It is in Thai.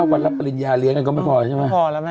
๕วันรับปริญญาเลี้ยงกันก็ไม่พอใช่ไหมครับไม่พอแล้วแม่